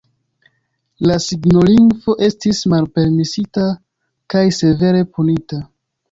La signolingvo estis malpermesita, kaj severe punita.